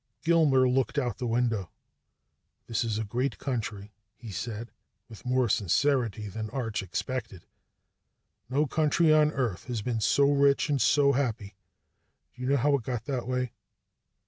Gilmer looked out the window. "This is a great country," he said, with more sincerity than Arch had expected. "No country on earth has ever been so rich and happy. Do you know how it got that way?"